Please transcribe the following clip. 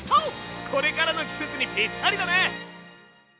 これからの季節にぴったりだね！